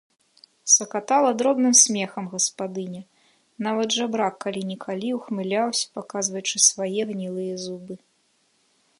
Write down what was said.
Сакатала дробным смехам гаспадыня, нават жабрак калі-нікалі ўхмыляўся, паказваючы свае гнілыя зубы.